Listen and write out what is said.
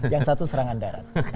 yang satu serangan darat